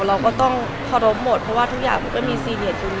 เราก็ต้องเคารพหมดเพราะว่าทุกอย่างมันก็มีซีเรียสอยู่